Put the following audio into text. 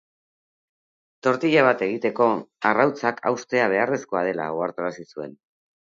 Tortila bat egiteko arrautzak haustea beharrezkoa dela ohartarazi zuen.